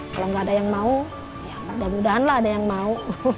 kalau enggak ada yang mau mudah mudahan ada yang mau